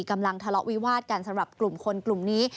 กำลังทะเลาะวิวาดกันสำหรับกลุ่มคนกลุ่มนี้